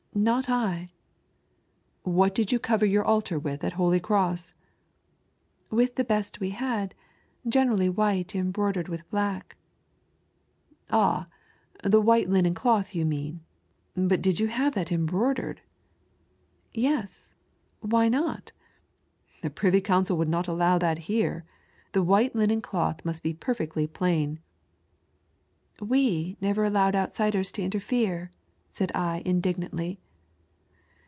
" Not I." " What did you cover yoar altar with at Holy Cross ?"" With the heat we had, generally white em liroidered with hlack," " Ah ! the white linen cloth you mean, but did you have that embroidered?" " Yes ; why not ?"" The Privy Council would not allow that here, the white linen cloth must be perfectly plain," " We never allowed outsiders to interfere," said I indignantly.